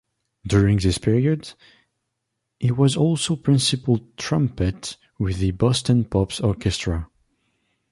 During this period, he was also principal trumpet with the Boston Pops Orchestra.